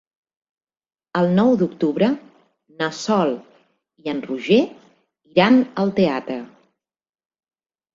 El nou d'octubre na Sol i en Roger iran al teatre.